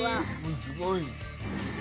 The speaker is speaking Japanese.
すごい。